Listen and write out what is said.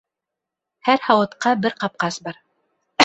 Һәр һауытҡа бер ҡапҡас бар.